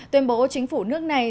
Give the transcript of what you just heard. tuyên bố chính phủ nước này